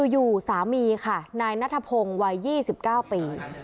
อยู่สามีค่ะนายนัทพงศ์วัย๒๙ปี